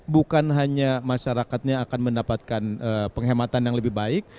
bukan hanya masyarakatnya akan mendapatkan penghematan yang lebih baik